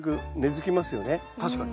確かに。